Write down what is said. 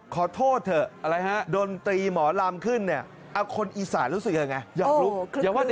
ขอโทษเถอะโดนตรีหมอลำขึ้นคนอีสานรู้สึกยังยังไง